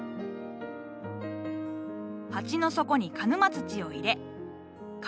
鉢の底に鹿沼土を入れ株を置く。